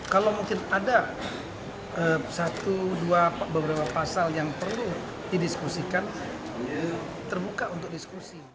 kalau mungkin ada satu dua beberapa pasal yang perlu didiskusikan terbuka untuk diskusi